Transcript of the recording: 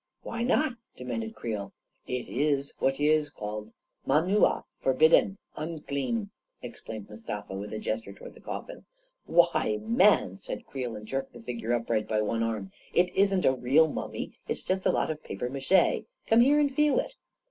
44 Why not? " demanded Creel. 44 It iss what iss called mamnua — forbidden — unclean," explained Mustafa, with a gesture toward the coffin. 44 Why, man," said Creel, and jerked the figure upright by one arm, u it isn't really a mummy — it's just a lot of papier mache. Come here and feel it."